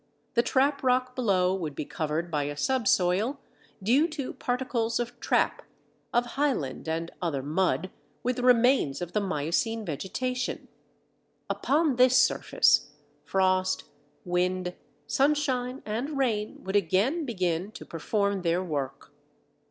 The trap rock below would be covered by a subsoil due to particles of trap, of Highland and other mud, with remains of the miocene vegetation. Upon this surface, frost, wind, sunshine, and rain would again begin to perform their work.